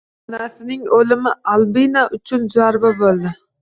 Onasining o'limi Albina uchun zarba bo'ldi